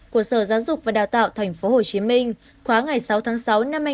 của sở giáo dục và đào tạo tp hcm khóa ngày sáu tháng sáu năm hai nghìn hai mươi